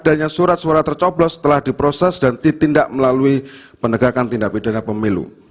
adanya surat suara tercoblos telah diproses dan ditindak melalui penegakan tindak pidana pemilu